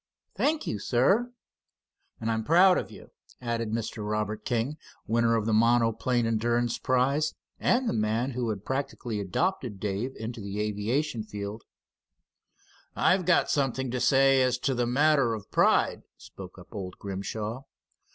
"Thank you, sir." "And I'm proud of you," added Mr. Robert King, the winner of the monoplane endurance prize, and the man who had practically adopted Dave into the aviation field. "I've got something to say as to the matter of pride," spoke up old Grimshaw.